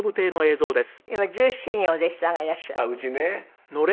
今１７人お弟子さんがいらっしゃる。